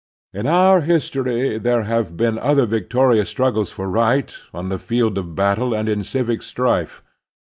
In our history there have been other victorious struggles for right, on the field of battle and in civic strife.